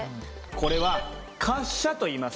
これは「滑車」といいます。